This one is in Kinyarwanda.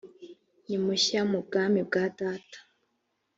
ni munshya mu bwami bwa data